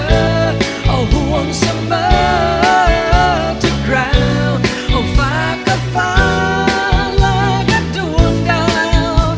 รักเธอห่วงเสมอเธอแกร่าฝากกับฟ้าและกับดวงดาว